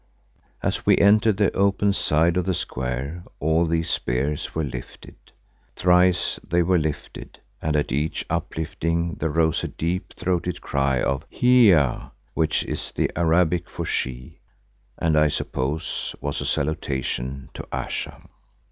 As we entered the open side of the square all these spears were lifted. Thrice they were lifted and at each uplifting there rose a deep throated cry of Hiya, which is the Arabic for She, and I suppose was a salutation to Ayesha.